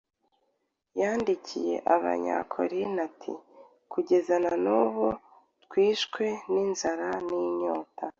Yandikiye Abanyakorinto ati, « Kugeza na n’ubu twishwe n’inzara n’inyota,